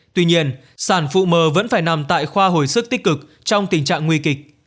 tuy nhiên sản phụ mờ vẫn phải nằm tại khoa hồi sức tích cực trong tình trạng nguy kịch